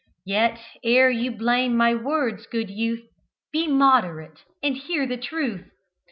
Yet ere you blame my words, good youth, Be moderate, and hear the truth.